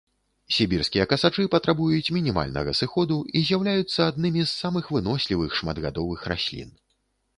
Сібірскія касачы патрабуюць мінімальнага сыходу і з'яўляюцца аднымі з самых вынослівых шматгадовых раслін.